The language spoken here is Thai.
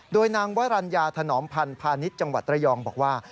โดยนางวรรณญาถนอมพันธ์พาณิชย์จังหวัดระยองบอกว่า